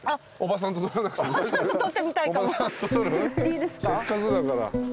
せっかくだから。